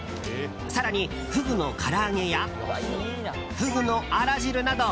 更にフグのから揚げやフグのあら汁など